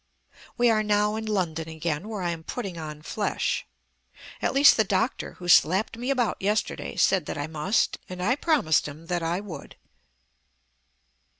We are now in London again, where I am putting on flesh. At least the doctor who slapped me about yesterday said that I must, and I promised him that I would.